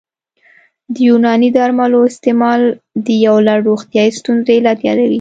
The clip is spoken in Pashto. د یوناني درملو استعمال د یو لړ روغتیايي ستونزو علت یادوي